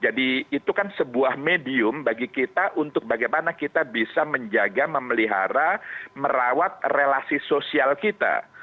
jadi itu kan sebuah medium bagi kita untuk bagaimana kita bisa menjaga memelihara merawat relasi sosial kita